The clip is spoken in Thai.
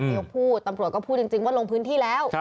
ยกพูดตำรวจก็พูดจริงว่าลงพื้นที่แล้ว